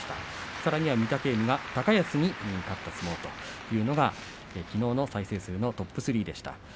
さらには御嶽海が高安に勝った相撲がきのうの再生数のトップ３でした。